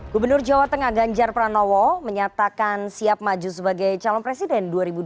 gubernur jawa tengah ganjar pranowo menyatakan siap maju sebagai calon presiden dua ribu dua puluh